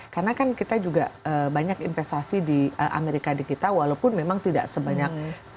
karena kan kita juga banyak investasi di amerika di kita walaupun memang tidak sebanyak